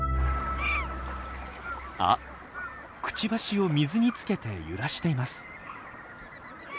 あっクチバシを水につけて揺らしています。